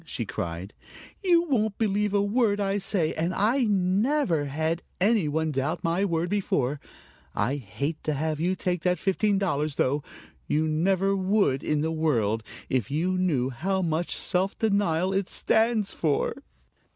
she cried. "You won't believe a word I say, and I never had any one doubt my word before. I hate to have you take that fifteen dollars, though. You never would in the world, if you knew how much self denial it stands for.